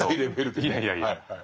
いやいやいや。